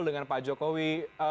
dengan pak jokowi